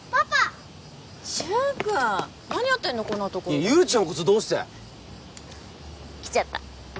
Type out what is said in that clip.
いやゆりちゃんこそどうして？来ちゃった。